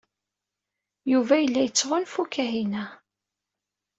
Yuba yella yettɣanfu Kahina.